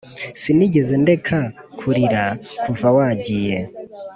sinigeze ndeka kurira kuva wagiye,